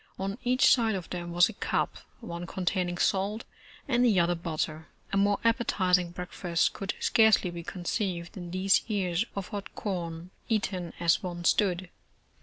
On each side of them was a cup, one containing salt and the other butter. A more appetizing breakfast could scarcely be conceived than these ears of hot corn, eaten as one stood.